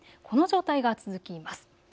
この状態が続きます。